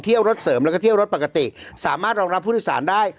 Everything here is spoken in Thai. รถเสริมแล้วก็เที่ยวรถปกติสามารถรองรับผู้โดยสารได้